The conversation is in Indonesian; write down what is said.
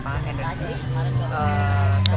kemudian perbankan bagaimana